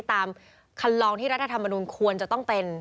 ตามคันลองที่รัฐธรรมนุนควรจะต้องเป็น